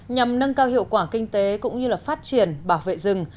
nhằm nâng cao hiệu quả kinh tế cũng như phát triển bảo vệ rừng